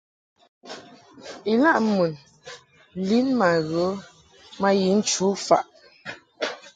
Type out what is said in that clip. Ilaʼ mun lin ma ghə ma yi nchu faʼ.